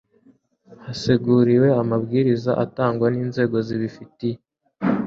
haseguriwe amabwiriza atangwa n inzego zibifitiye